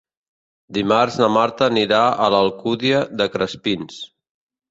Dimarts na Marta anirà a l'Alcúdia de Crespins.